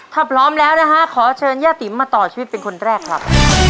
ถ้าพร้อมแล้วนะฮะขอเชิญย่าติ๋มมาต่อชีวิตเป็นคนแรกครับ